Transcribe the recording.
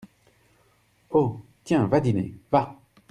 Oh ! tiens, va dîner ! va !